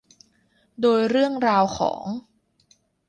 โดยเรื่องราวของ